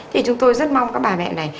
thì chúng tôi rất mong các bà mẹ này